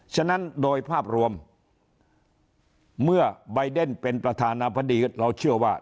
ฉะนั้นโดยภาพรวมเมื่อใบเดนเป็นประธานาภดีเราเชื่อว่า